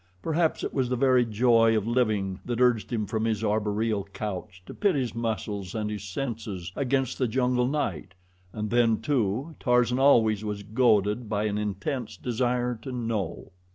Perhaps it was the very joy of living that urged him from his arboreal couch to pit his muscles and his senses against the jungle night, and then, too, Tarzan always was goaded by an intense desire to know.